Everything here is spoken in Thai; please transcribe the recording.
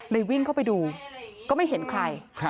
วิ่งเข้าไปดูก็ไม่เห็นใคร